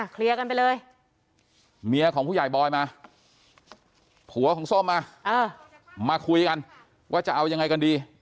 เคลียร์กันไปเลยเมียของผู้ใหญ่บอยมาผัวของส้มมามาคุยกันว่าจะเอายังไงกันดี